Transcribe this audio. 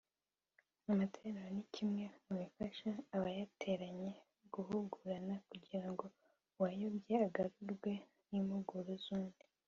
Amateraniro ni kimwe mu bifasha abayateranye guhugurana kugira ngo uwayobye agarurwe n’impuguro z’undi